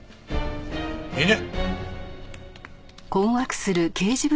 いいね？